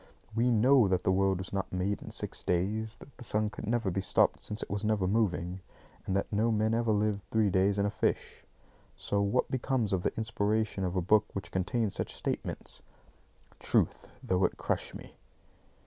We KNOW that the world was not made in six days, that the sun could never be stopped since it was never moving, and that no man ever lived three days in a fish; so what becomes of the inspiration of a book which contains such statements? "Truth, though it crush me!"